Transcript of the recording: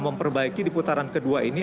memperbaiki di putaran kedua ini